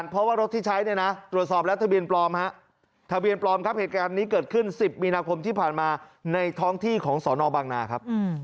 ไปแล้วนะครับแล้วก็มีทางสวนองค์ฟังนา